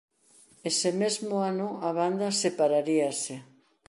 Ese mesmo ano a banda separaríase.